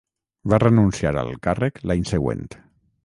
Va renunciar al càrrec l'any següent.